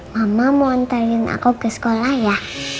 mama mau ntarin aku ke sekolah ya